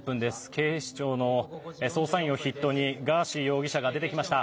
警視庁の捜査員を筆頭にガーシー容疑者が出てきました。